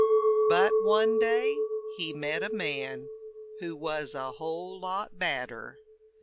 But one day he met a man Who was a whole lot badder.